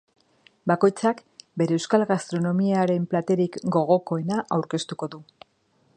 Bakoitzak bere euskal gastronomiaren platerik gogokoena aurkeztuko du.